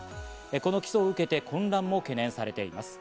この起訴を受けて混乱も懸念されています。